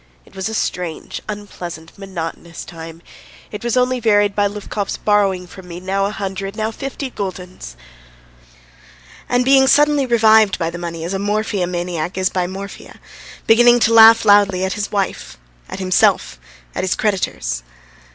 It was a strange, unpleasant, monotonous time; it was only varied by Lubkov's borrowing from me now a hundred, now fifty guldens, and being suddenly revived by the money as a morphia maniac is by morphia, beginning to laugh loudly at his wife, at himself, at his creditors.